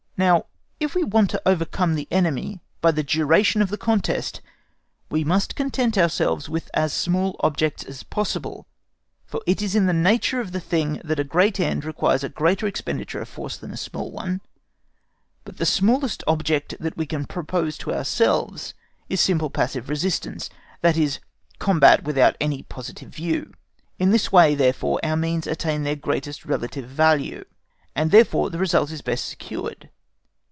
Now, if we want to overcome the enemy by the duration of the contest, we must content ourselves with as small objects as possible, for it is in the nature of the thing that a great end requires a greater expenditure of force than a small one; but the smallest object that we can propose to ourselves is simple passive resistance, that is a combat without any positive view. In this way, therefore, our means attain their greatest relative value, and therefore the result is best secured.